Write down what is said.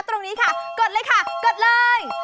ตรงนี้ค่ะกดเลยค่ะกดเลย